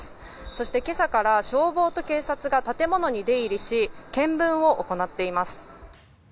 そして、今朝から消防と警察が建物に出入りし検分を行っています。